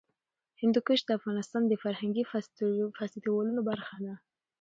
هندوکش د افغانستان د فرهنګي فستیوالونو برخه ده.